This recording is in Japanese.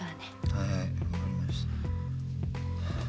はいはい分かりました。